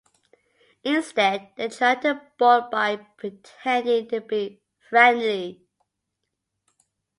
Instead they tried to board by pretending to be friendly.